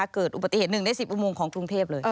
เกิดอุปัติเหตุหนึ่งได้๑๐อุโมงของกรุงเทพฯเลย